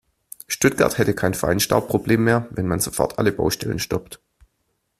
Stuttgart hätte kein Feinstaubproblem mehr, wenn man sofort alle Baustellen stoppt.